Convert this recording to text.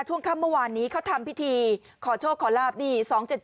ช่วงค่ำเมื่อวานนี้เขาทำพิธีขอโชคขอลาบนี่